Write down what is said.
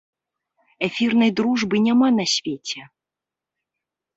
Эфірнай дружбы няма на свеце!